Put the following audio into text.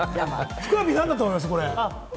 ふくらＰ、なんだと思いますか？